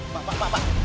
pak pak pak